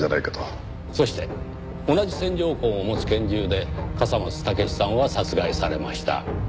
そして同じ線条痕を持つ拳銃で笠松剛史さんは殺害されました。